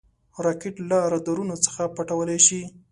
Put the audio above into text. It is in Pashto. راکټ له رادارونو ځان پټولی شي